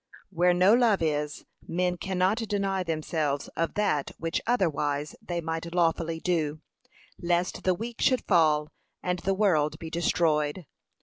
Where no love is, men cannot deny themselves of that which otherwise they might lawfully do, lest the weak should fall, and the world be destroyed.